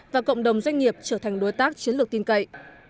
và cộng đồng doanh nghiệp trở thành đối tác chiến lược tin cậy